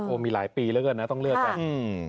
มีหลายปีแล้วกันนะต้องเลือกกันอืม